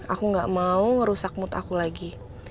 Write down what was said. aku gak mau ngerusak mood aku lagi